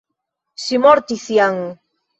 Ŝi mortis jam.